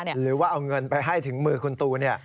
หรือว่าเอาเงินไปให้ถึงมือคุณตู